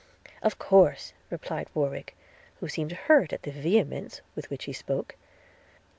– 'Of course,' replied Warwick, who seemed hurt at the vehemence with which he spoke.